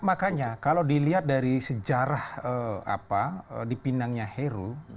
makanya kalau dilihat dari sejarah apa dipindangnya heru